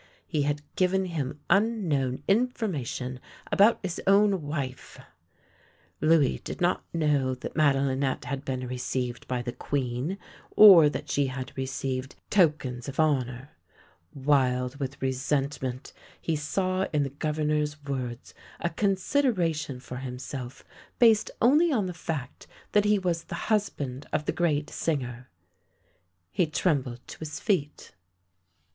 He had given him unknown information about his own wife. Louis did not know that Madelinette had been received by the Queen, or that she had received "tokens 8 THE LANE THAT HAD NO TURNING of honour." Wild with resentment, he saw in the Gov ernor's words a consideration for himself based only on the fact that he was the husband of the great singer. He trembled to his feet.